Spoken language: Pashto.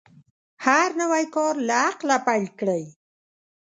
هر نوی کار له عقله پیل کړئ.